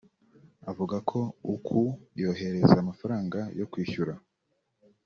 Avuga ko uko yoherezaga amafaranga yo kwishyura